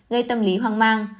gây tâm lý hoang mang